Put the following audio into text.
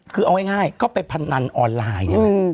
คือเอาง่ายเข้าไปพนันออนไลน์